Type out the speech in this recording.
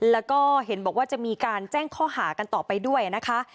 แล้วก็เห็นบอกว่าจะมีการแจ้งข้อหากันต่อไปด้วยนะคะ